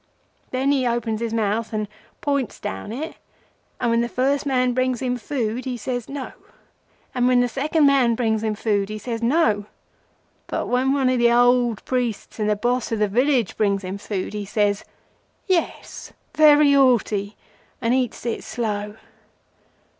Then he opens his mouth and points down it, and when the first man brings him food, he says—'No;' and when the second man brings him food, he says—'No;' but when one of the old priests and the boss of the village brings him food, he says—'Yes;' very haughty, and eats it slow.